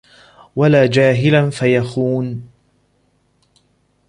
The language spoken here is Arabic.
وَلَا جَاهِلًا فَيَخُونَ